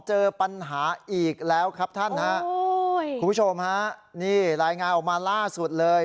เจอปัญหาอีกแล้วครับท่านฮะโอ้ยคุณผู้ชมฮะนี่รายงานออกมาล่าสุดเลย